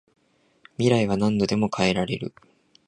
未来は何度でも変えられる